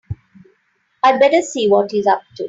I'd better see what he's up to.